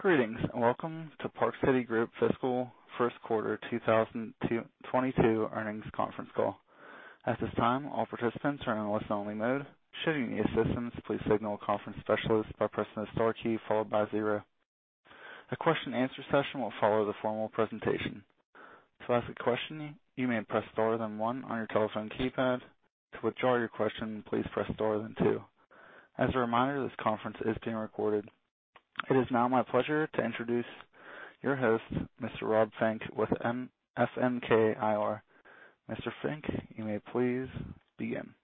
Greetings, welcome to Park City Group fiscal first quarter 2022 earnings conference call. At this time, all participants are in a listen-only mode. Should you need assistance, please signal a conference specialist by pressing the star key followed by zero. A question answer session will follow the formal presentation. To ask a question, you may press star then one on your telephone keypad. To withdraw your question, please press star then two. As a reminder, this conference is being recorded. It is now my pleasure to introduce your host, Mr. Rob Fink, with FNK IR. Mr. Fink, you may please begin.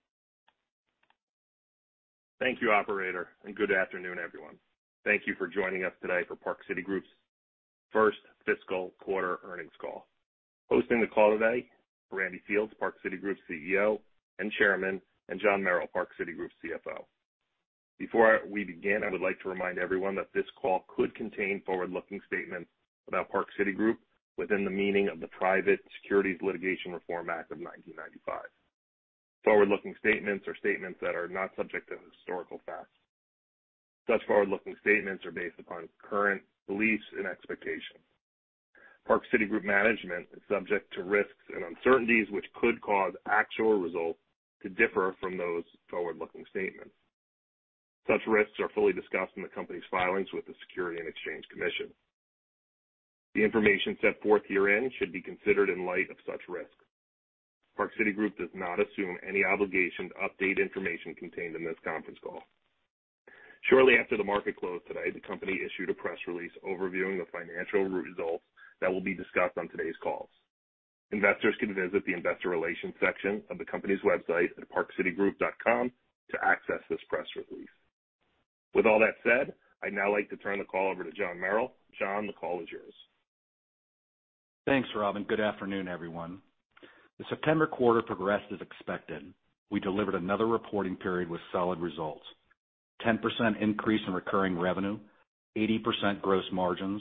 Thank you, operator, and good afternoon, everyone. Thank you for joining us today for Park City Group's first fiscal quarter earnings call. Hosting the call today, Randy Fields, Chairman and CEO, Park City Group, and John Merrill, CFO, Park City Group. Before we begin, I would like to remind everyone that this call could contain forward-looking statements about Park City Group within the meaning of the Private Securities Litigation Reform Act of 1995. Forward-looking statements are statements that are not subject to historical facts. Such forward-looking statements are based upon current beliefs and expectations. Park City Group management is subject to risks and uncertainties, which could cause actual results to differ from those forward-looking statements. Such risks are fully discussed in the company's filings with the Securities and Exchange Commission. The information set forth herein should be considered in light of such risks. Park City Group does not assume any obligation to update information contained in this conference call. Shortly after the market closed today, the company issued a press release overviewing the financial results that will be discussed on today's call. Investors can visit the investor relations section of the company's website at parkcitygroup.com to access this press release. With all that said, I'd now like to turn the call over to John Merrill. John, the call is yours. Thanks, Rob, and good afternoon, everyone. The September quarter progressed as expected. We delivered another reporting period with solid results. 10% increase in recurring revenue, 80% gross margins,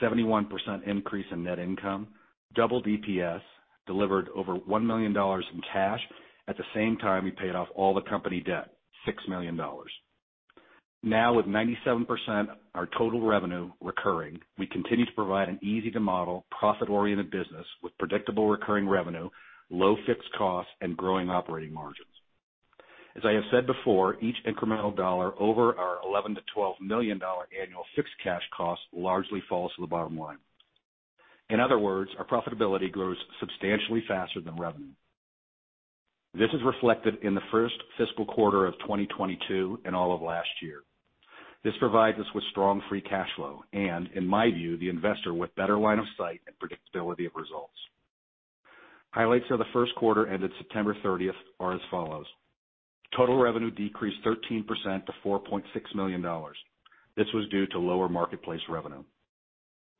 71% increase in net income, doubled EPS, delivered over $1 million in cash. At the same time, we paid off all the company debt, $6 million. Now with 97% of our total revenue recurring, we continue to provide an easy-to-model, profit-oriented business with predictable recurring revenue, low fixed costs, and growing operating margins. As I have said before, each incremental dollar over our $11 million-$12 million annual fixed cash costs largely falls to the bottom line. In other words, our profitability grows substantially faster than revenue. This is reflected in the first fiscal quarter of 2022 and all of last year. This provides us with strong free cash flow and, in my view, the investor with better line of sight and predictability of results. Highlights of the first quarter ended September 30 are as follows. Total revenue decreased 13% to $4.6 million. This was due to lower MarketPlace revenue.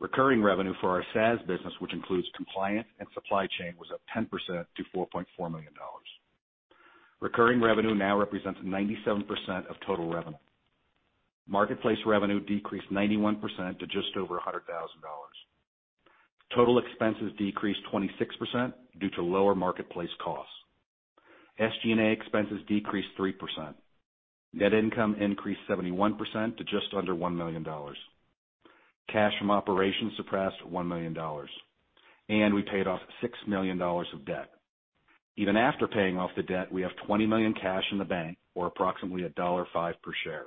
Recurring revenue for our SaaS business, which includes compliance and supply chain, was up 10% to $4.4 million. Recurring revenue now represents 97% of total revenue. MarketPlace revenue decreased 91% to just over $100,000. Total expenses decreased 26% due to lower MarketPlace costs. SG&A expenses decreased 3%. Net income increased 71% to just under $1 million. Cash from operations surpassed $1 million, and we paid off $6 million of debt. Even after paying off the debt, we have $20 million cash in the bank or approximately $1.05 per share.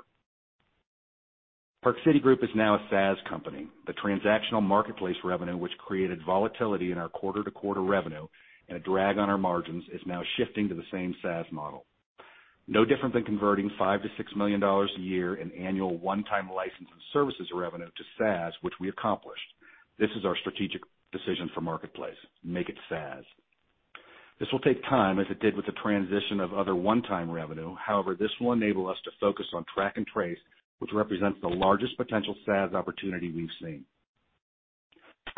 Park City Group is now a SaaS company. The transactional MarketPlace revenue, which created volatility in our quarter-to-quarter revenue and a drag on our margins, is now shifting to the same SaaS model. No different than converting $5 million-$6 million a year in annual one-time license and services revenue to SaaS, which we accomplished. This is our strategic decision for MarketPlace, make it SaaS. This will take time, as it did with the transition of other one-time revenue. However, this will enable us to focus on track and trace, which represents the largest potential SaaS opportunity we've seen.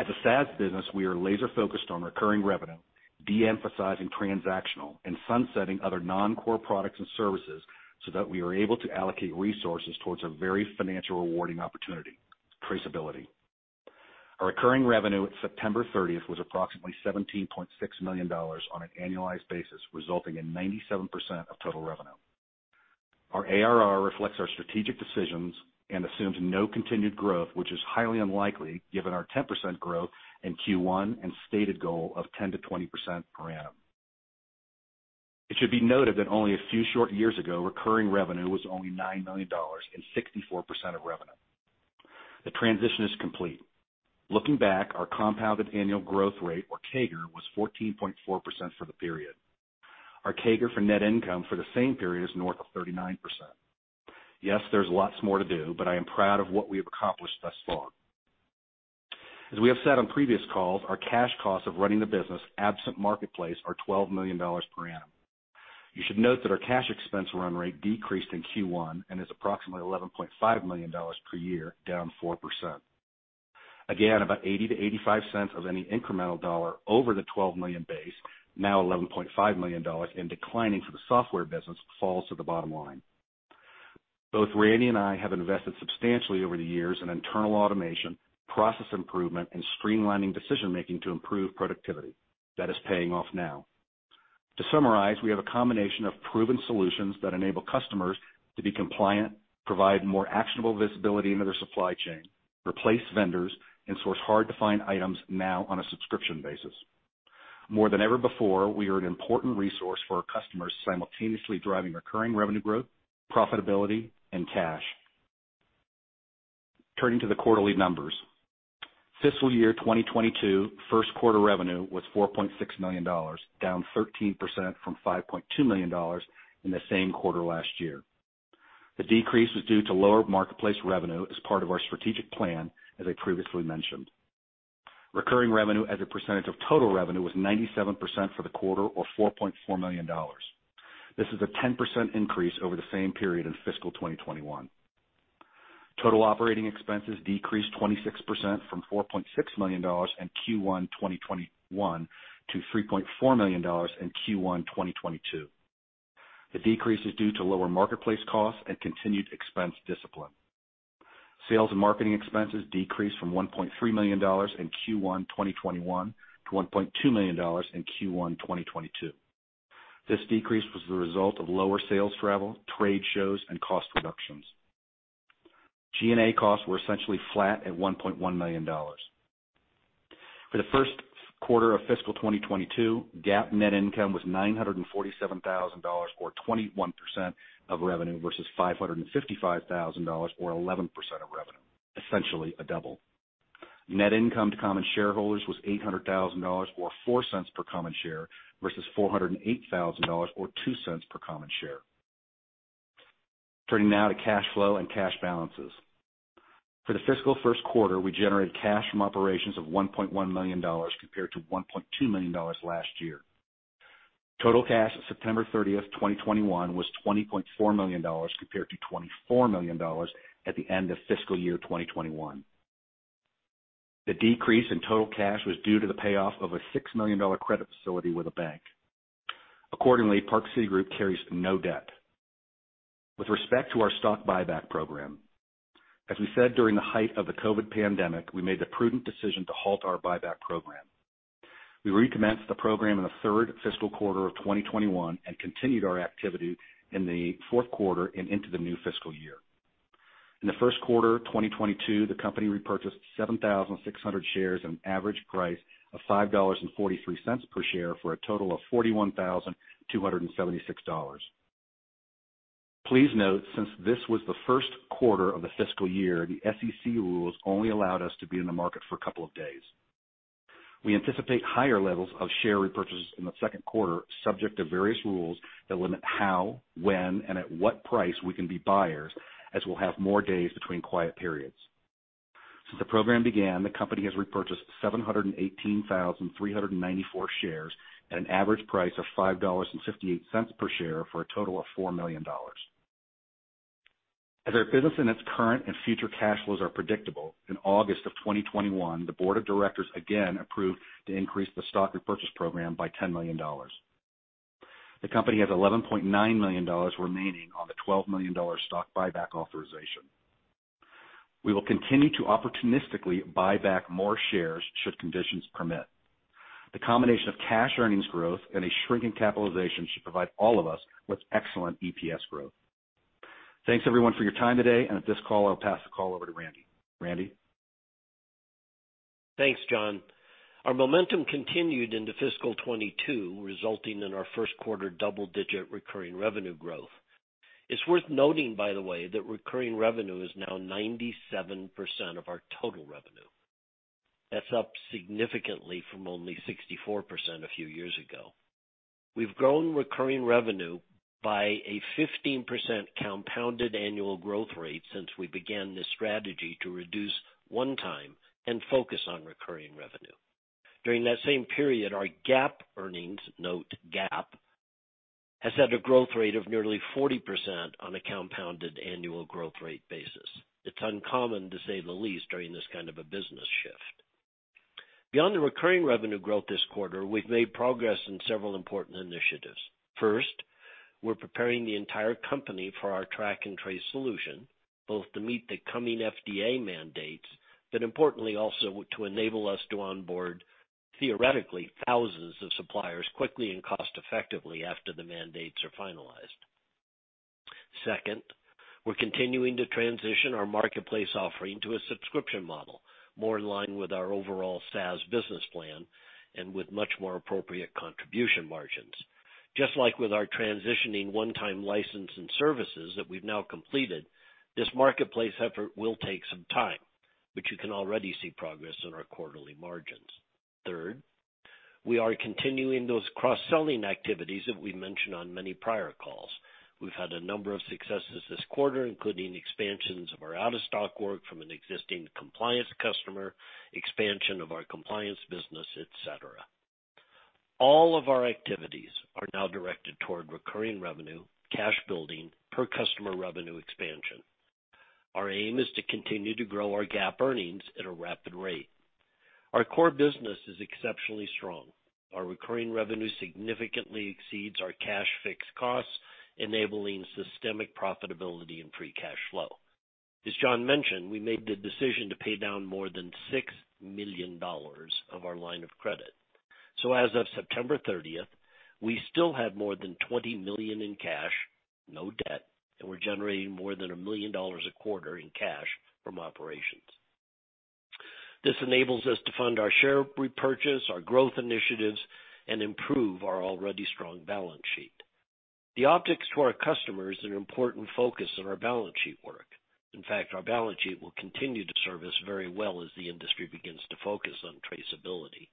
As a SaaS business, we are laser-focused on recurring revenue, de-emphasizing transactional and sunsetting other non-core products and services so that we are able to allocate resources towards a very financial rewarding opportunity, traceability. Our recurring revenue at September 30 was approximately $17.6 million on an annualized basis, resulting in 97% of total revenue. Our ARR reflects our strategic decisions and assumes no continued growth, which is highly unlikely given our 10% growth in Q1 and stated goal of 10%-20% per annum. It should be noted that only a few short years ago, recurring revenue was only $9 million and 64% of revenue. The transition is complete. Looking back, our compounded annual growth rate, or CAGR, was 14.4% for the period. Our CAGR for net income for the same period is north of 39%. Yes, there's lots more to do, but I am proud of what we have accomplished thus far. As we have said on previous calls, our cash costs of running the business absent MarketPlace are $12 million per annum. You should note that our cash expense run rate decreased in Q1 and is approximately $11.5 million per year, down 4%. Again, about $0.80-$0.85 of any incremental dollar over the $12 million base, now $11.5 million and declining for the software business, falls to the bottom line. Both Randy and I have invested substantially over the years in internal automation, process improvement, and streamlining decision-making to improve productivity. That is paying off now. To summarize, we have a combination of proven solutions that enable customers to be compliant, provide more actionable visibility into their supply chain, replace vendors, and source hard to find items now on a subscription basis. More than ever before, we are an important resource for our customers, simultaneously driving recurring revenue growth, profitability and cash. Turning to the quarterly numbers. Fiscal year 2022 first quarter revenue was $4.6 million, down 13% from $5.2 million in the same quarter last year. The decrease was due to lower MarketPlace revenue as part of our strategic plan, as I previously mentioned. Recurring revenue as a percentage of total revenue was 97% for the quarter, or $4.4 million. This is a 10% increase over the same period in fiscal 2021. Total operating expenses decreased 26% from $4.6 million in Q1 2021 to $3.4 million in Q1 2022. The decrease is due to lower MarketPlace costs and continued expense discipline. Sales and marketing expenses decreased from $1.3 million in Q1 2021 to $1.2 million in Q1 2022. This decrease was the result of lower sales travel, trade shows and cost reductions. G&A costs were essentially flat at $1.1 million. For the first quarter of fiscal 2022, GAAP net income was $947,000, or 21% of revenue, versus $555,000, or 11% of revenue, essentially a double. Net income to common shareholders was $800,000, or $0.04 per common share, versus $408,000, or $0.02 per common share. Turning now to cash flow and cash balances. For the fiscal first quarter, we generated cash from operations of $1.1 million compared to $1.2 million last year. Total cash at September 30, 2021 was $20.4 million compared to $24 million at the end of fiscal year 2021. The decrease in total cash was due to the payoff of a $6 million credit facility with a bank. Accordingly, Park City Group carries no debt. With respect to our stock buyback program, as we said during the height of the COVID pandemic, we made the prudent decision to halt our buyback program. We recommenced the program in the third fiscal quarter of 2021 and continued our activity in the fourth quarter and into the new fiscal year. In the first quarter of 2022, the company repurchased 7,600 shares at an average price of $5.43 per share for a total of $41,276. Please note, since this was the first quarter of the fiscal year, the SEC rules only allowed us to be in the market for a couple of days. We anticipate higher levels of share repurchases in the second quarter, subject to various rules that limit how, when, and at what price we can be buyers, as we'll have more days between quiet periods. Since the program began, the company has repurchased 718,394 shares at an average price of $5.58 per share for a total of $4 million. As our business and its current and future cash flows are predictable, in August 2021, the board of directors again approved to increase the stock repurchase program by $10 million. The company has $11.9 million remaining on the $12 million stock buyback authorization. We will continue to opportunistically buy back more shares should conditions permit. The combination of cash earnings growth and a shrinking capitalization should provide all of us with excellent EPS growth. Thanks everyone for your time today and at this call. I'll pass the call over to Randy. Randy? Thanks, John. Our momentum continued into fiscal 2022, resulting in our first quarter double-digit recurring revenue growth. It's worth noting, by the way, that recurring revenue is now 97% of our total revenue. That's up significantly from only 64% a few years ago. We've grown recurring revenue by a 15% compounded annual growth rate since we began this strategy to reduce one-time and focus on recurring revenue. During that same period, our GAAP earnings, note GAAP, has had a growth rate of nearly 40% on a compounded annual growth rate basis. It's uncommon, to say the least, during this kind of a business shift. Beyond the recurring revenue growth this quarter, we've made progress in several important initiatives. First, we're preparing the entire company for our track-and-trace solution, both to meet the coming FDA mandates, but importantly also to enable us to onboard, theoretically, thousands of suppliers quickly and cost effectively after the mandates are finalized. Second, we're continuing to transition our MarketPlace offering to a subscription model, more in line with our overall SaaS business plan and with much more appropriate contribution margins. Just like with our transitioning one-time license and services that we've now completed, this MarketPlace effort will take some time, but you can already see progress in our quarterly margins. Third, we are continuing those cross-selling activities that we mentioned on many prior calls. We've had a number of successes this quarter, including expansions of our out-of-stock work from an existing compliance customer, expansion of our compliance business, et cetera. All of our activities are now directed toward recurring revenue, cash building, per customer revenue expansion. Our aim is to continue to grow our GAAP earnings at a rapid rate. Our core business is exceptionally strong. Our recurring revenue significantly exceeds our cash fixed costs, enabling systemic profitability and free cash flow. As John mentioned, we made the decision to pay down more than $6 million of our line of credit. As of September 30, we still have more than $20 million in cash, no debt, and we're generating more than $1 million a quarter in cash from operations. This enables us to fund our share repurchase, our growth initiatives, and improve our already strong balance sheet. The optics to our customers is an important focus of our balance sheet work. In fact, our balance sheet will continue to serve us very well as the industry begins to focus on traceability.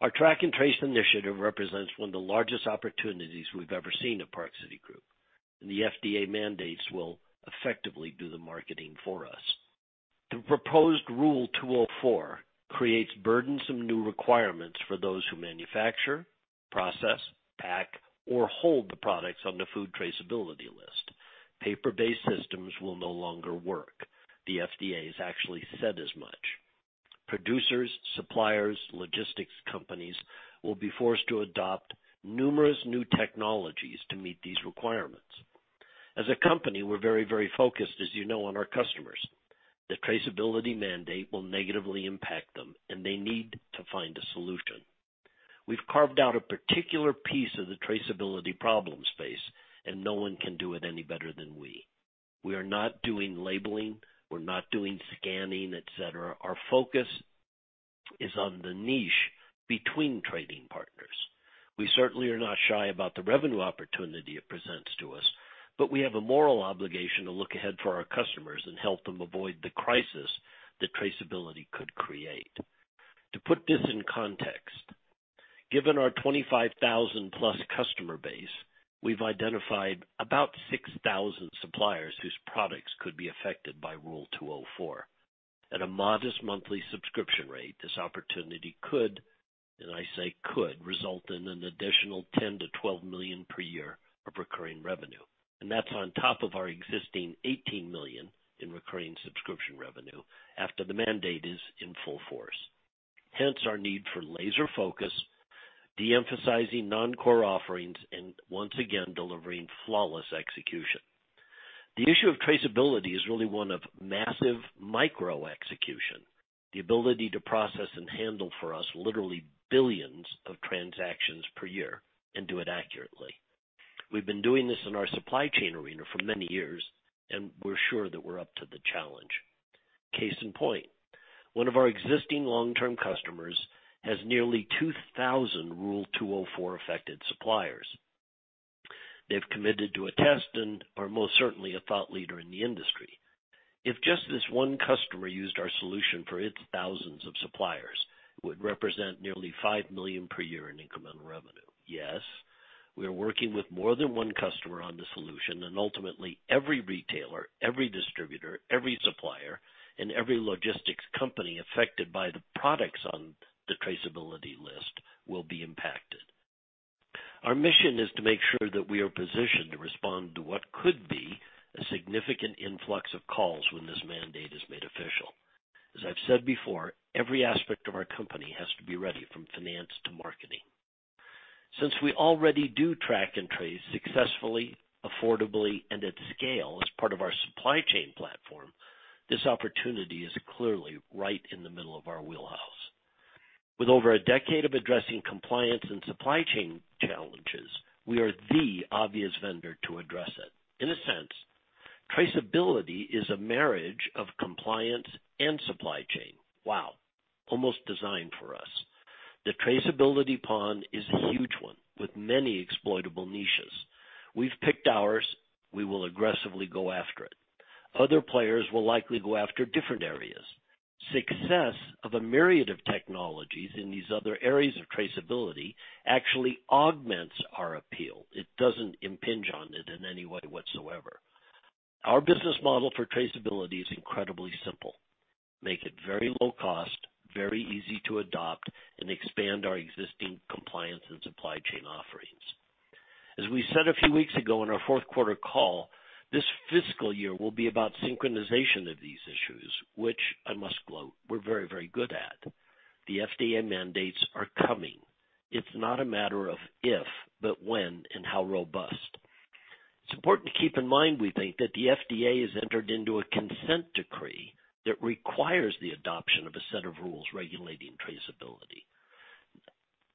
Our track and trace initiative represents one of the largest opportunities we've ever seen at Park City Group, and the FDA mandates will effectively do the marketing for us. The proposed Rule 204 creates burdensome new requirements for those who manufacture, process, pack, or hold the products on the Food Traceability List. Paper-based systems will no longer work. The FDA has actually said as much. Producers, suppliers, logistics companies will be forced to adopt numerous new technologies to meet these requirements. As a company, we're very, very focused, as you know, on our customers. The traceability mandate will negatively impact them, and they need to find a solution. We've carved out a particular piece of the traceability problem space, and no one can do it any better than we. We are not doing labeling, we're not doing scanning, et cetera. Our focus is on the niche between trading partners. We certainly are not shy about the revenue opportunity it presents to us, but we have a moral obligation to look ahead for our customers and help them avoid the crisis that traceability could create. To put this in context, given our 25,000+ customer base, we've identified about 6,000 suppliers whose products could be affected by Rule 204. At a modest monthly subscription rate, this opportunity could, and I say could, result in an additional $10 million-$12 million per year of recurring revenue. That's on top of our existing $18 million in recurring subscription revenue after the mandate is in full force. Hence our need for laser focus, de-emphasizing non-core offerings, and once again, delivering flawless execution. The issue of traceability is really one of massive micro execution, the ability to process and handle for us literally billions of transactions per year and do it accurately. We've been doing this in our supply chain arena for many years, and we're sure that we're up to the challenge. Case in point, one of our existing long-term customers has nearly 2,000 Rule 204-affected suppliers. They've committed to a test and are most certainly a thought leader in the industry. If just this one customer used our solution for its thousands of suppliers, it would represent nearly $5 million per year in incremental revenue. Yes, we are working with more than one customer on the solution. Ultimately every retailer, every distributor, every supplier, and every logistics company affected by the products on the traceability list will be impacted. Our mission is to make sure that we are positioned to respond to what could be a significant influx of calls when this mandate is made official. As I've said before, every aspect of our company has to be ready, from finance to marketing. Since we already do track and trace successfully, affordably, and at scale as part of our supply chain platform, this opportunity is clearly right in the middle of our wheelhouse. With over a decade of addressing compliance and supply chain challenges, we are the obvious vendor to address it. In a sense, traceability is a marriage of compliance and supply chain. Wow, almost designed for us. The traceability pond is a huge one with many exploitable niches. We've picked ours. We will aggressively go after it. Other players will likely go after different areas. Success of a myriad of technologies in these other areas of traceability actually augments our appeal. It doesn't impinge on it in any way whatsoever. Our business model for traceability is incredibly simple. Make it very low cost, very easy to adopt, and expand our existing compliance and supply chain offerings. As we said a few weeks ago in our fourth quarter call, this fiscal year will be about synchronization of these issues, which I must gloat, we're very, very good at. The FDA mandates are coming. It's not a matter of if, but when and how robust. It's important to keep in mind, we think that the FDA has entered into a consent decree that requires the adoption of a set of rules regulating traceability.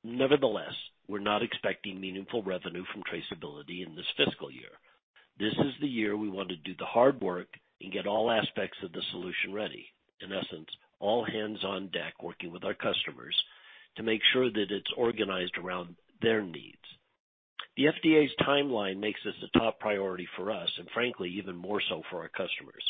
Nevertheless, we're not expecting meaningful revenue from traceability in this fiscal year. This is the year we want to do the hard work and get all aspects of the solution ready. In essence, all hands on deck working with our customers to make sure that it's organized around their needs. The FDA's timeline makes this a top priority for us and frankly, even more so for our customers.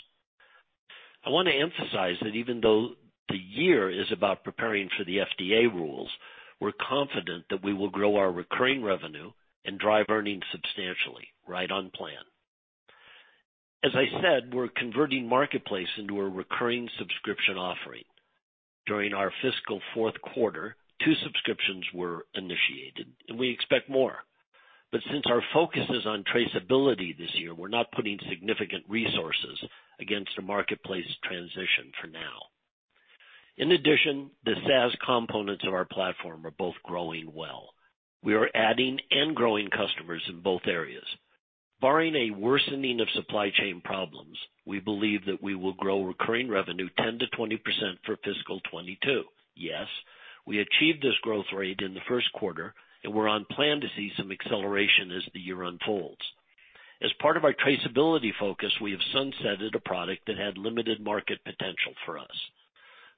I wanna emphasize that even though the year is about preparing for the FDA rules, we're confident that we will grow our recurring revenue and drive earnings substantially right on plan. As I said, we're converting ReposiTrak MarketPlace into a recurring subscription offering. During our fiscal fourth quarter, two subscriptions were initiated and we expect more. Since our focus is on traceability this year, we're not putting significant resources against a MarketPlace transition for now. In addition, the SaaS components of our platform are both growing well. We are adding and growing customers in both areas. Barring a worsening of supply chain problems, we believe that we will grow recurring revenue 10%-20% for fiscal 2022. Yes, we achieved this growth rate in the first quarter, and we're on plan to see some acceleration as the year unfolds. As part of our traceability focus, we have sunsetted a product that had limited market potential for us.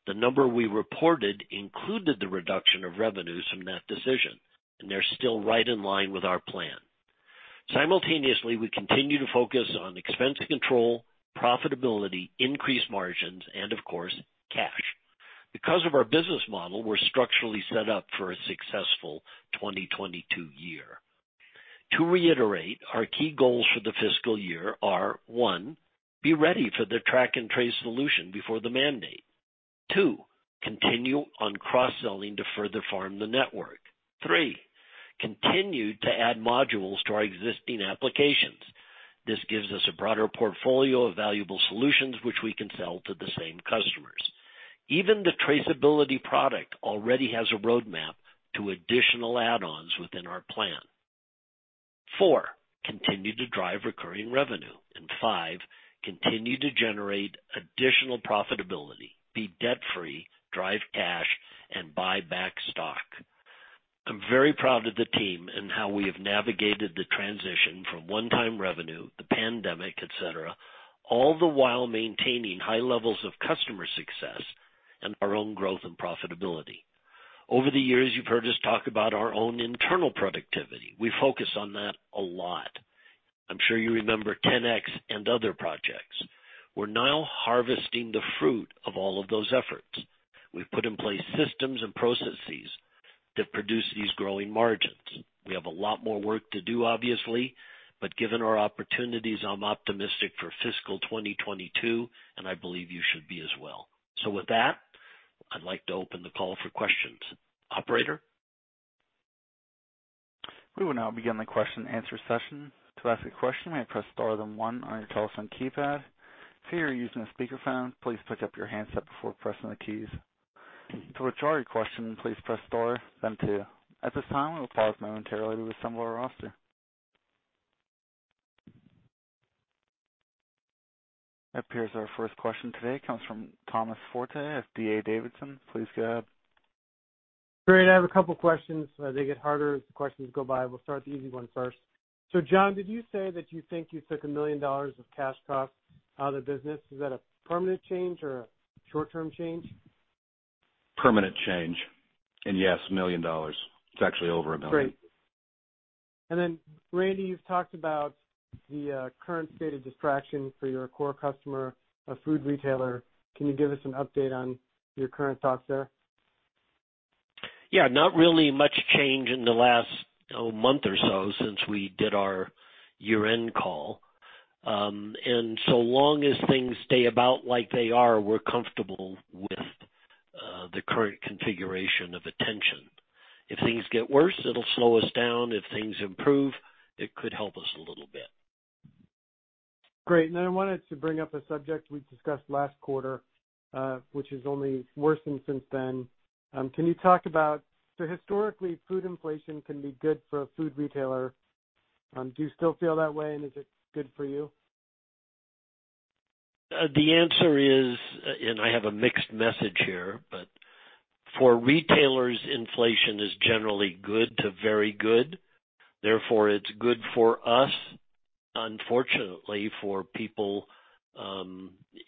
The number we reported included the reduction of revenues from that decision, and they're still right in line with our plan. Simultaneously, we continue to focus on expense control, profitability, increased margins and of course, cash. Because of our business model, we're structurally set up for a successful 2022 year. To reiterate, our key goals for the fiscal year are, one, be ready for the track and trace solution before the mandate. Two, continue on cross-selling to further farm the network. Three, continue to add modules to our existing applications. This gives us a broader portfolio of valuable solutions which we can sell to the same customers. Even the traceability product already has a roadmap to additional add-ons within our plan. Four, continue to drive recurring revenue. Five, continue to generate additional profitability, be debt-free, drive cash, and buy back stock. I'm very proud of the team and how we have navigated the transition from one-time revenue, the pandemic, et cetera, all the while maintaining high levels of customer success and our own growth and profitability. Over the years, you've heard us talk about our own internal productivity. We focus on that a lot. I'm sure you remember 10x and other projects. We're now harvesting the fruit of all of those efforts. We've put in place systems and processes that produce these growing margins. We have a lot more work to do, obviously, but given our opportunities, I'm optimistic for fiscal 2022, and I believe you should be as well. With that, I'd like to open the call for questions. Operator? We will now begin the question-answer session. To ask a question, press star then one on your telephone keypad. If you are using a speakerphone, please pick up your handset before pressing the keys. To withdraw your question, please press star then two. At this time, we'll pause momentarily to assemble our roster. Up here is our first question today, comes from Thomas Forte at D.A. Davidson. Please go ahead. Great. I have a couple of questions. They get harder as the questions go by. We'll start the easy one first. John, did you say that you think you took $1 million of cash cost out of the business? Is that a permanent change or a short-term change? Permanent change. Yes, $1 million. It's actually over $1 million. Great. Randy, you've talked about the current state of distraction for your core customer, a food retailer. Can you give us an update on your current thoughts there? Yeah, not really much change in the last month or so since we did our year-end call. As long as things stay about like they are, we're comfortable with the current configuration of headwinds. If things get worse, it'll slow us down. If things improve, it could help us a little bit. Great. Then I wanted to bring up a subject we discussed last quarter, which has only worsened since then. Can you talk about so historically, food inflation can be good for a food retailer. Do you still feel that way? Is it good for you? The answer is, I have a mixed message here, but for retailers, inflation is generally good to very good. Therefore, it's good for us. Unfortunately, for people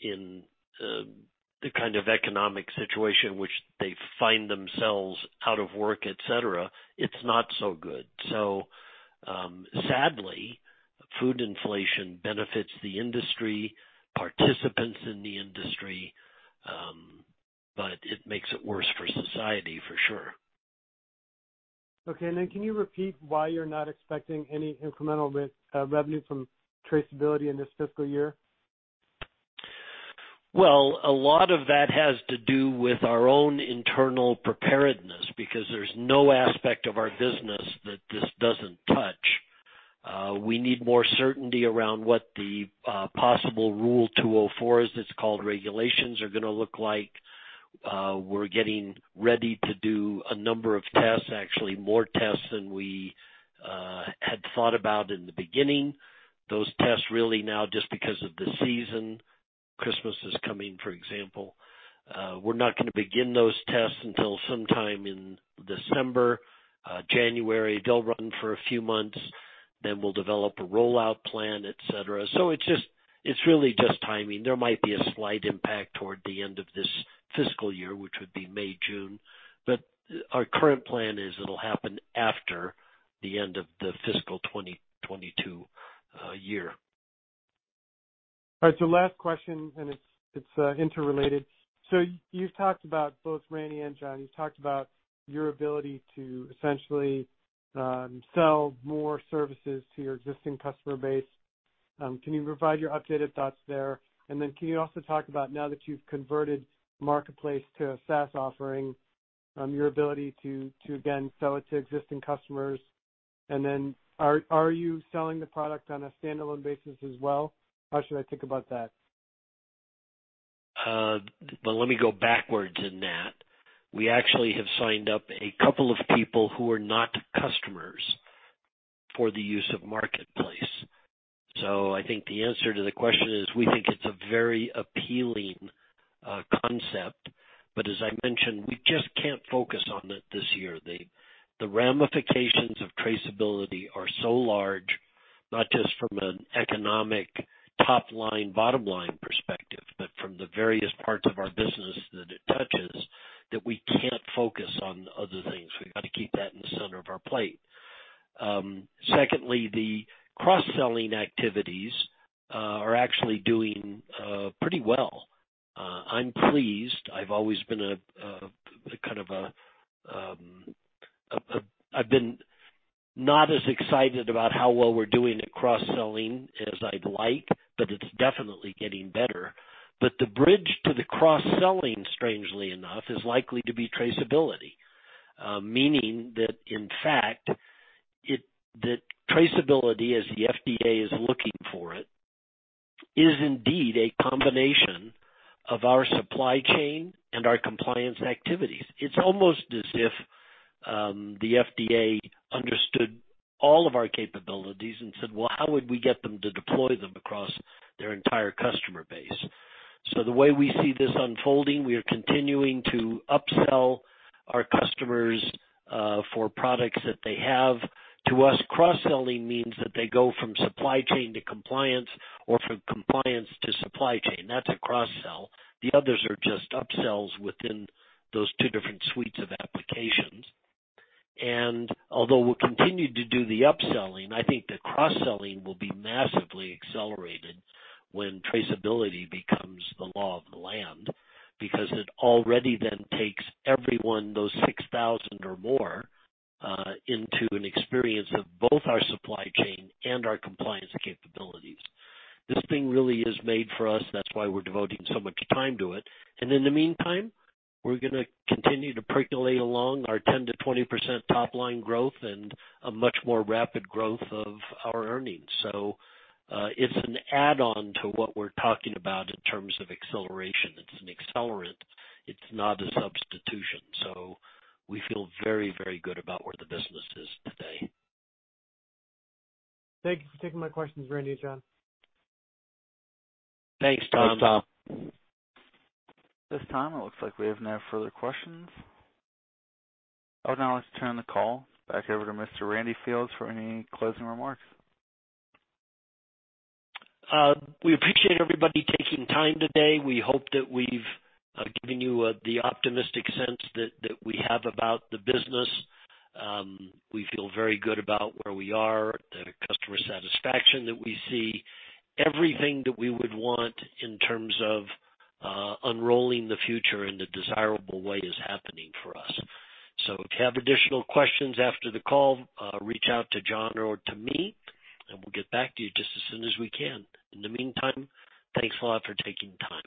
in the kind of economic situation which they find themselves out of work, et cetera, it's not so good. Sadly, food inflation benefits the industry, participants in the industry, but it makes it worse for society for sure. Okay. Can you repeat why you're not expecting any incremental revenue from traceability in this fiscal year? Well, a lot of that has to do with our own internal preparedness, because there's no aspect of our business that this doesn't touch. We need more certainty around what the possible Rule 204, as it's called, regulations are gonna look like. We're getting ready to do a number of tests, actually more tests than we had thought about in the beginning. Those tests really now, just because of the season, Christmas is coming, for example, we're not gonna begin those tests until sometime in December, January. They'll run for a few months, then we'll develop a rollout plan, et cetera. It's just, it's really just timing. There might be a slight impact toward the end of this fiscal year, which would be May, June. Our current plan is it'll happen after the end of the fiscal 2022 year. All right, last question, and it's interrelated. Both Randy and John, you've talked about your ability to essentially sell more services to your existing customer base. Can you provide your updated thoughts there? Then can you also talk about now that you've converted MarketPlace to a SaaS offering, your ability to again sell it to existing customers? Then are you selling the product on a standalone basis as well? How should I think about that? Well, let me go backwards in that. We actually have signed up a couple of people who are not customers for the use of MarketPlace. I think the answer to the question is, we think it's a very appealing concept. As I mentioned, we just can't focus on it this year. The ramifications of traceability are so large, not just from an economic top line, bottom line perspective, but from the various parts of our business that it touches, that we can't focus on other things. We've got to keep that in the center of our plate. Secondly, the cross-selling activities are actually doing pretty well. I'm pleased. I've always been not as excited about how well we're doing at cross-selling as I'd like, but it's definitely getting better. The bridge to the cross-selling, strangely enough, is likely to be traceability. Meaning that, in fact, that traceability, as the FDA is looking for it, is indeed a combination of our supply chain and our compliance activities. It's almost as if, the FDA understood all of our capabilities and said, "Well, how would we get them to deploy them across their entire customer base?" The way we see this unfolding, we are continuing to upsell our customers, for products that they have. To us, cross-selling means that they go from supply chain to compliance or from compliance to supply chain. That's a cross-sell. The others are just upsells within those two different suites of applications. Although we'll continue to do the upselling, I think the cross-selling will be massively accelerated when traceability becomes the law of the land, because it already then takes everyone, those 6,000 or more, into an experience of both our supply chain and our compliance capabilities. This thing really is made for us. That's why we're devoting so much time to it. In the meantime, we're gonna continue to percolate along our 10%-20% top line growth and a much more rapid growth of our earnings. It's an add-on to what we're talking about in terms of acceleration. It's an accelerant. It's not a substitution. We feel very, very good about where the business is today. Thanks for taking my questions, Randy and John. Thanks, Tom. At this time, it looks like we have no further questions. I would now like to turn the call back over to Mr. Randy Fields for any closing remarks. We appreciate everybody taking time today. We hope that we've given you the optimistic sense that we have about the business. We feel very good about where we are, the customer satisfaction that we see. Everything that we would want in terms of unrolling the future in a desirable way is happening for us. If you have additional questions after the call, reach out to John or to me, and we'll get back to you just as soon as we can. In the meantime, thanks a lot for taking time.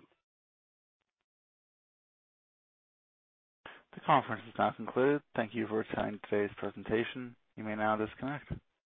The conference is now concluded. Thank you for attending today's presentation. You may now disconnect.